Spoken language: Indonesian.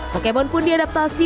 pokemon pun diadaptasi